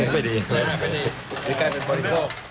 ไม่ไปดี